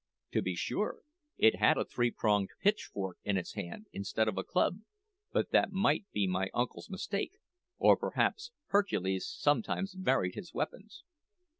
To be sure, it had a three pronged pitchfork in its hand instead of a club; but that might be my uncle's mistake, or perhaps Hercules sometimes varied his weapons.